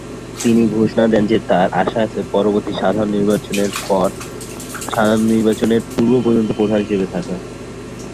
তিনি ঘোষণা দেন যে তার আশা আছে পরবর্তী সাধারণ নির্বাচনের পূর্ব পর্যন্ত প্রধান হিসাবে থাকা।